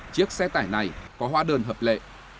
chiếc xe tải này có hóa đơn hợp lệ